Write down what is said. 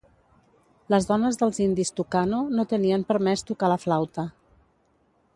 Les dones dels indis Tukano no tenien permès tocar la flauta.